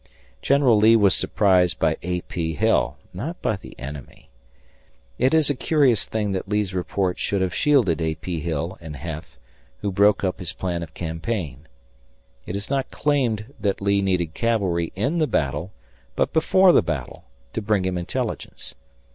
General Lee was surprised by A. P. Hill not by the enemy. It is a curious thing that Lee's report should have shielded A. P. Hill and Heth, who broke up his plan of campaign. It is not claimed that Lee needed cavalry in the battle, but before the battle, to bring him intelligence.